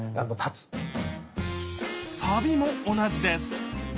サビも同じです